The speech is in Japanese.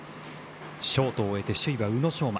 ショートを終えて首位は宇野昌磨。